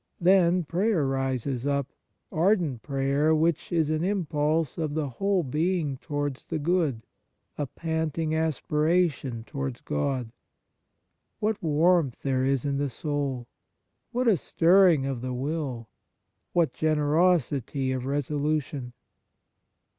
Then prayer rises up — ardent prayer which is an impulse of the whole being towards the good, a panting aspira tion towards God. What warmth there is in the soul ! What a stirring The Fruits of Piety of the will ! What generosity of resolution